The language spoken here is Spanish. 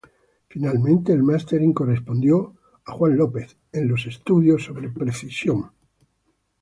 Finalmente, el "mastering" correspondió a Tom Baker, en los estudios Precision Mastering de Hollywood.